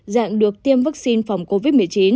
dạng được tiêm vaccine phòng covid một mươi chín